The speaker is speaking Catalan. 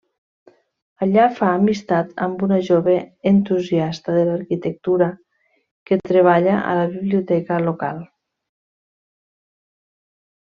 Allà fa amistat amb una jove entusiasta de l'arquitectura que treballa a la biblioteca local.